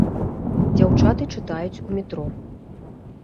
Дзяўчаты чытаюць у метро.